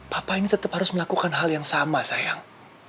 papa ini tetap harus melakukan hal yang sama sayang